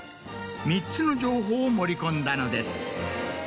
３つの情報を盛り込んだのです。